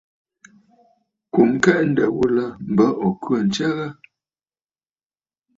Kùm kɛʼɛ̂ ǹdə̀ ghulà m̀bə ò khə̂ ǹtsya ghâ?